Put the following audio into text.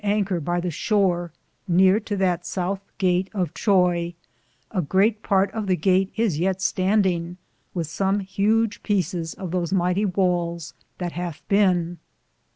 47 Anker by the Shore, neare to that southe gatte of Troye ; a greate parte of the gate is yeat standinge, with som hudge peecis of those myghtie wales that hathe bene.